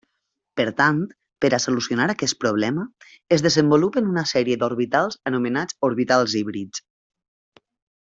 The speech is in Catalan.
Per tant, per a solucionar aquest problema, es desenvolupen una sèrie d'orbitals anomenats orbitals híbrids.